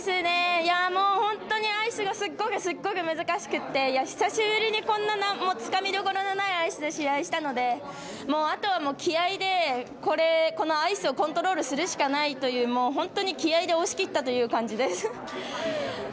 本当にアイスがすごく、すごく難しくて久しぶりに、こんなつかみどころのないアイスの試合したのであとは気合いで、このアイスをコントロールするしかないという本当に気合いで押し切ったという感じです。